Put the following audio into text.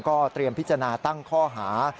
เตรียมพิจารณาตั้งข้อหา